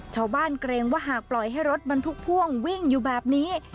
เกรงว่าหากปล่อยให้รถบรรทุกพ่วงวิ่งอยู่แบบนี้